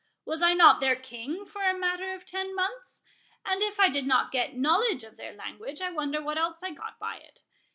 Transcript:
—Was I not their King for a matter of ten months? and if I did not get knowledge of their language, I wonder what else I got by it.